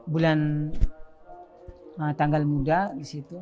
bulan tanggal muda di situ